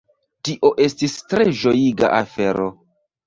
Tio estis tre ĝojiga afero.